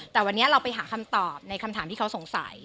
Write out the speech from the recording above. แต่วันนี้เราไปหาคำตอบในคำถามที่เขาสงสัย